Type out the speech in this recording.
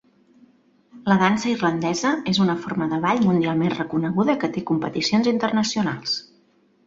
La dansa irlandesa és una forma de ball mundialment reconeguda que té competicions internacionals.